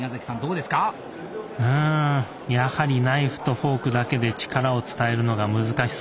うんやはりナイフとフォークだけで力を伝えるのが難しそうですね。